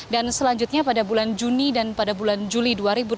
dan selanjutnya pada bulan juni dan pada bulan juli dua ribu delapan belas